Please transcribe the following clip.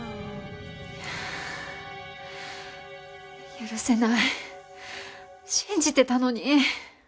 許せない、信じてたのに。